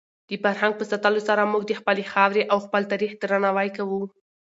د فرهنګ په ساتلو سره موږ د خپلې خاورې او خپل تاریخ درناوی کوو.